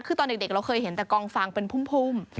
คือตอนเด็กเราเคยเห็นแต่กองฟางเป็นพุ่ม